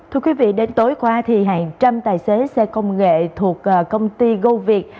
thưa quý vị đến tối qua hàng trăm tài xế xe công nghệ thuộc công ty goviet